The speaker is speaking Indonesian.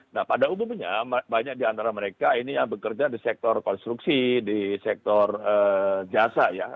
nah pada umumnya banyak di antara mereka ini yang bekerja di sektor konstruksi di sektor jasa ya